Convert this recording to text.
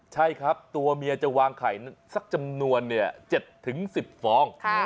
ใช่ครับตัวเมียจะวางไข่สักจำนวน๗๑๐ฟอง